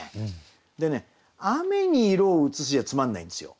でね「雨に色をうつし」じゃつまんないんですよ。